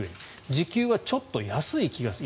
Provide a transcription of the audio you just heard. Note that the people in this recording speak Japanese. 時給はちょっと安い気がする。